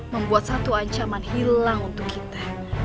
membuat satu ancaman hilang untuk kita